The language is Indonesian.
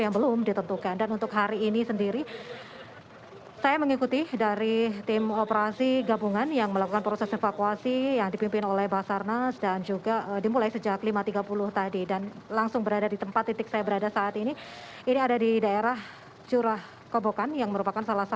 bagaimana proses pencerian korban